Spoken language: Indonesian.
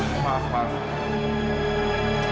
siap ata mau berkenalkan